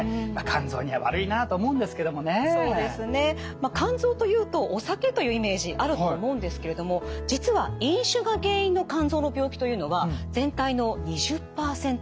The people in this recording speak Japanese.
まあ肝臓というとお酒というイメージあると思うんですけれども実は飲酒が原因の肝臓の病気というのは全体の２０％程度。